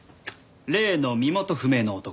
例の身元不明の男